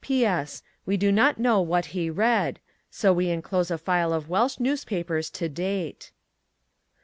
P. S. We do not know what he read, so we enclose a file of Welsh newspapers to date.